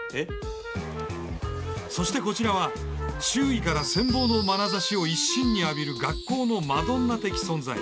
そしてこちらは周囲から羨望のまなざしを一身に浴びる学校のマドンナ的存在。